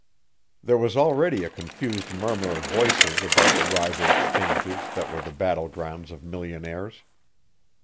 There was already a confused murmur of voices about the rival exchanges that were the battlegrounds of millionaires.